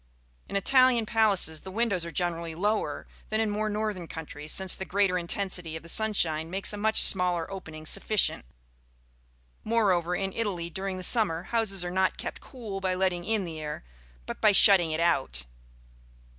In Italian palaces the windows are generally lower than in more northern countries, since the greater intensity of the sunshine makes a much smaller opening sufficient; moreover, in Italy, during the summer, houses are not kept cool by letting in the air, but by shutting it out.